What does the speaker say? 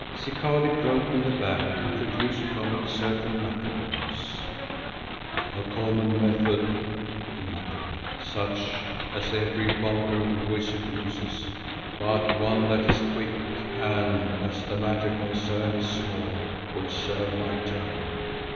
Zikali groped in the bag and produced from it certain knuckle bones. "A common method," he muttered, "such as every vulgar wizard uses, but one that is quick and, as the matter concerned is small, will serve my turn.